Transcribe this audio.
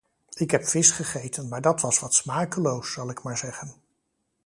Ik heb vis gegeten, maar dat was wat smakeloos, zal ik maar zeggen.